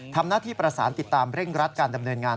ทำหน้าที่ประสานติดตามเร่งรัดการดำเนินงาน